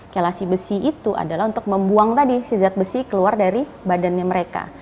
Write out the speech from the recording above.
kelasi besi itu adalah untuk membuang tadi si zat besi keluar dari badannya mereka